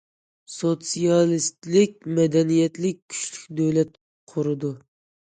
سوتسىيالىستىك مەدەنىيەتلىك كۈچلۈك دۆلەت قۇرىدۇ.